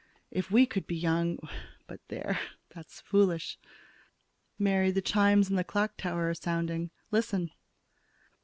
If we could be young but there, that's foolish. Mary, the chimes in the tower clock are sounding. Listen!"